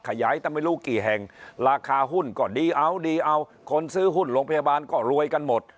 ขยายตั้งไม่รู้กี่แห่งราคาหุ้นก็ดีเอาดีเอาคนซื้อหุ้นโรงพยาบาลก็รวยกันหมด